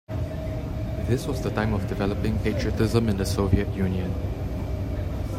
This was the time of developing patriotism in the Soviet Union.